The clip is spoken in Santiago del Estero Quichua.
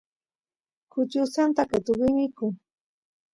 kuchi usanta qetuvi mikun